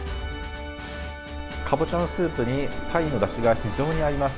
かぼちゃのスープに鯛のだしが非常に合います。